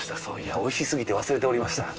美味しすぎて忘れておりました。